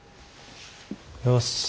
よし。